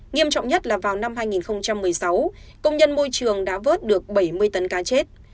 nghiêm trọng nhất là vào năm hai nghìn một mươi sáu công nhân môi trường đã vớt được bảy mươi tấn cá chết